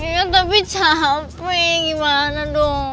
ya tapi capek gimana dong